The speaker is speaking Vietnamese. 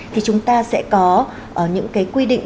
thì chúng ta sẽ có những cái quy định